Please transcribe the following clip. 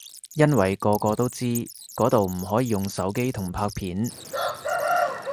因為個個都知嗰度唔可以用手機同拍片